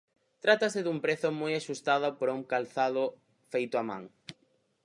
Trátase dun prezo moi axustado para un calzado feito á man.